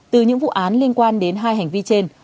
từ những vụ án liên quan đến hai hành vi trên